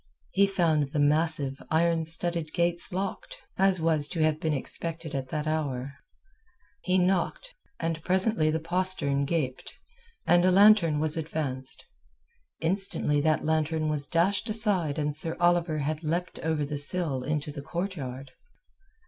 He found the massive iron studded gates locked, as was to have been expected at that hour. He knocked, and presently the postern gaped, and a lantern was advanced. Instantly that lantern was dashed aside and Sir Oliver had leapt over the sill into the courtyard.